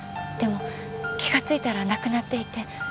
でも気がついたらなくなっていて。